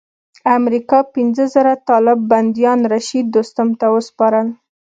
امریکا پنځه زره طالب بندیان رشید دوستم ته وسپارل.